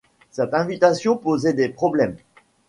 Cette invitation posait des problèmes.